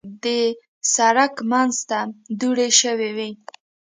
د سړک منځ ته دوړې شوې وې.